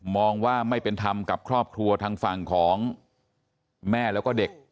มองว่าไม่เป็นธรรมกับครอบครัวทางฝั่งของแม่แล้วก็เด็ก